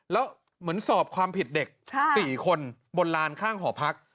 แล้วเหมือนสอบความผิดเด็ก๔คนบนลานข้างหอพัก